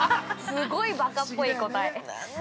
すごいバカっぽい答え。